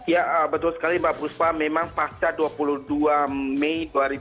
ya betul sekali mbak puspa memang pasca dua puluh dua mei dua ribu dua puluh